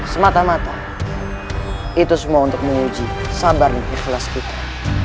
semata mata itu semua untuk menguji sabar ikhlas kita